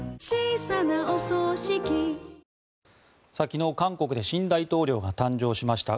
昨日、韓国で新大統領が誕生しました。